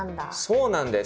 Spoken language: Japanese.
そうなんです。